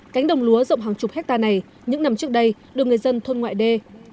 cánh đồng lúa rộng hàng chục hectare này những năm trước đây được người dân thôn ngoại đê